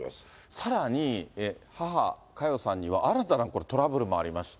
さらに、母、佳代さんには、新たなトラブルもありまして。